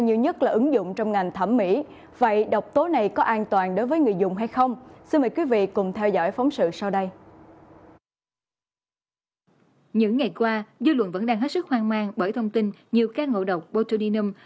những ngày qua dư luận vẫn đang hết sức hoang mang bởi thông tin nhiều cá ngộ độc botulinum